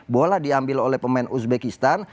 bola diambil oleh pemain uzbekistan